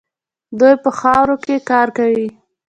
دوی په خاورو کې کار کوي.